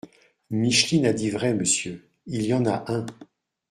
Micheline a dit vrai, monsieur, il y en a un !…